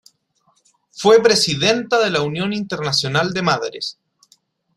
Fue presidenta de la Unión Internacional de Madres.